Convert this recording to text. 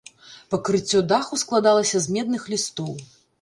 Пакрыццё даху складалася з медных лістоў.